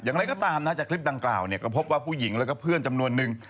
อย่างไรก็ตามนะจากคลิปดังกล่าวเนี่ยก็พบว่าผู้หญิงแล้วก็เพื่อนจำนวนนึง